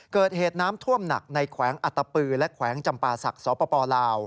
เกิดเหตุน้ำท่วมหนักในแขวงอัตตปือและแขวงจำปาศักดิ์สปลาว